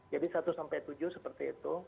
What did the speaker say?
jadi satu sampai tujuh seperti itu